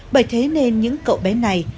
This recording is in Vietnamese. bởi thế nên những cậu bé này